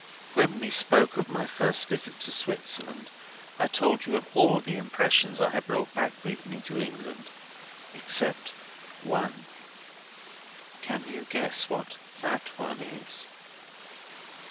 When we spoke of my first visit to Switzerland, I told you of all the impressions I had brought back with me to England except one. Can you guess what that one is?"